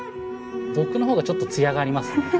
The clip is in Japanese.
僕のほうがちょっと艶がありますね。